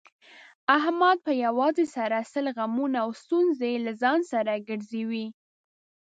احمد په یووازې سر سل غمونه او ستونزې له ځان سره ګرځوي.